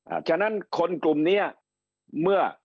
ฉะนั้นคนกลุ่มนี้เมื่อ